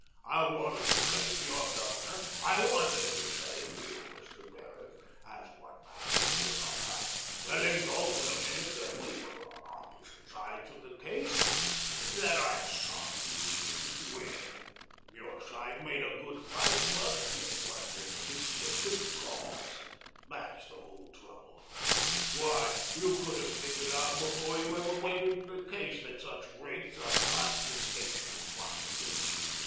I wanted to say to your Governor I wanted to say to you, Mr. Derrick as one man to another letting alone for the minute that we were on opposite sides of the case that I'm sorry you didn't win. Your side made a good fight, but it was in a mistaken cause. That's the whole trouble. Why, you could have figured out before you ever went into the case that such rates are confiscation of property.